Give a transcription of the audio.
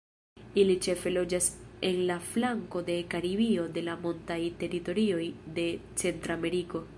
Ili ĉefe loĝas en la flanko de Karibio de la montaj teritorioj de Centrameriko.